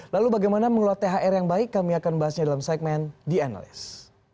lalu bagaimana mengelola thr yang baik kami akan bahasnya dalam segmen the analyst